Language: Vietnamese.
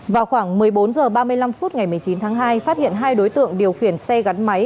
vào khoảng một mươi bốn h ba mươi năm phút ngày một mươi chín tháng hai phát hiện hai đối tượng điều khiển xe gắn máy